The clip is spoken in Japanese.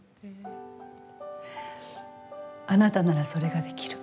あなたなら、それができる。